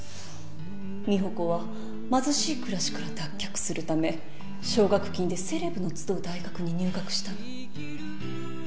美保子は貧しい暮らしから脱却するため奨学金でセレブの集う大学に入学したの。